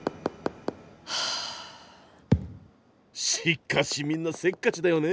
しかしみんなせっかちだよね。